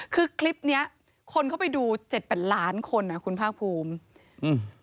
คือคลิปนี้คนเข้าไปดู๗เป็นล้านคนคุณภาคภูมิ